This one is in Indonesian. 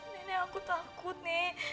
nenek aku takut nek